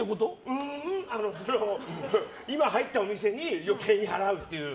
ううん、今入ったお店に余計に払うっていう。